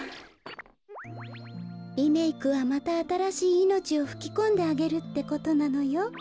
リメークはまたあたらしいいのちをふきこんであげるってことなのよ。